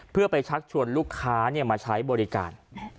เพื่อไปชักชวนลูกค้ามาใช้บริการ